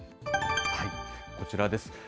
こちらです。